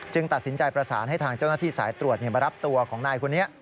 ตัดสินใจประสานให้ทางเจ้าหน้าที่สายตรวจมารับตัวของนายคนนี้